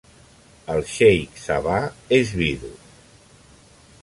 El xeic Sabah és vidu.